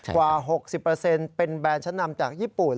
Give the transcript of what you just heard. กว่า๖๐เป็นแบรนด์ชั้นนำจากญี่ปุ่น